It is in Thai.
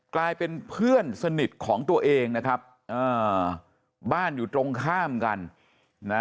กลายเป็นเพื่อนสนิทของตัวเองนะครับอ่าบ้านอยู่ตรงข้ามกันนะ